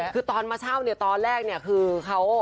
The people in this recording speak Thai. คือตอนมาเช่าเนี่ยตอนแรกเนี่ยคือเขา